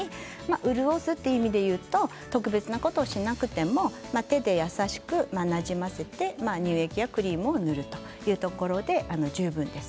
潤すという意味でいうと特別なことをしなくても手で優しくなじませて乳液やクリームを塗るそれで十分です。